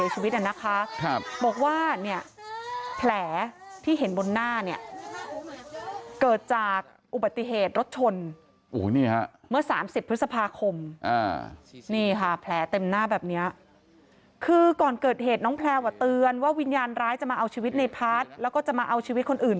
จักรยานยนต์ออกจากรั้วบ้านไปแล้วน่ะหมอปลาก็เลย